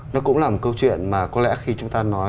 nó cũng là một câu chuyện mà có lẽ khi chúng ta nói